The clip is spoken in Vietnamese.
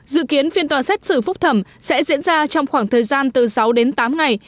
dự kiến phiên tòa xét xử phúc thẩm sẽ diễn ra trong khoảng thời gian từ sáu đến tám ngày